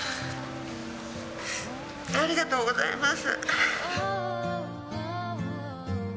ありがとうございます。